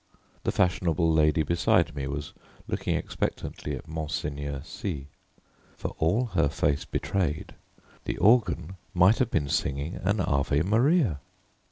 The fashionable lady beside me was looking expectantly at Monseigneur C . For all her face betrayed, the organ might have been singing an Ave Maria.